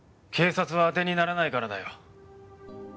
警察は当てにならないからだよ。